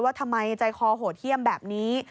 ว่าทำไมใจคอโหดเยี่ยมแบบนี้